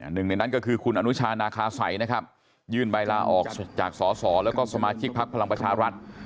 หนึ่งในนั้นก็คือคุณอนุชานาคาสัยนะครับยื่นใบลาออกจากสอสอแล้วก็สมาชิกพักพลังประชารัฐ